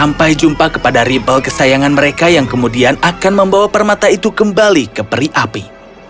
sampai jumpa kepada ribble kesayangan mereka yang kemudian akan membawa permata itu kembali ke peri api